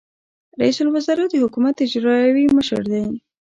رئیس الوزرا د حکومت اجرائیوي مشر دی